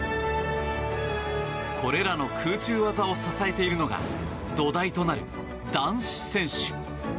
これらの空中技を支えているのが土台となる男子選手。